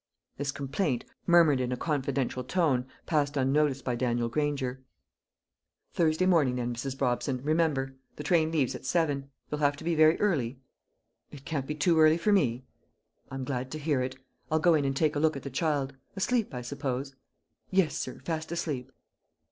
This complaint, murmured in a confidential tone, passed unnoticed by Daniel Granger. "Thursday morning, then, Mrs. Brobson, remember; the train leaves at seven. You'll have to be very early." "It can't be too early for me." "I'm glad to hear that; I'll go in and take a look at the child asleep, I suppose?" "Yes, sir; fast asleep."